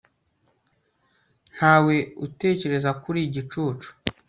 ntawe utekereza ko uri igicucu